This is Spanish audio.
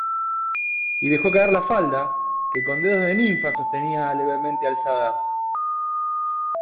y dejó caer la falda, que con dedos de ninfa sostenía levemente alzada.